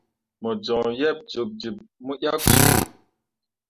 Mo joŋ yeb jiɓjiɓ mo yak su.